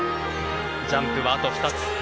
ジャンプはあと２つ。